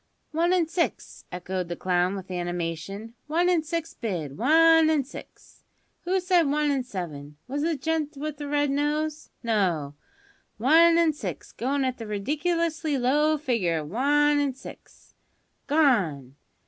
"One an' six," echoed the clown with animation; "one an' six bid; one an' six. Who said one an' seven? Was it the gent with the red nose? No, one an' six; goin' at the ridiculously low figure of one an' six gone!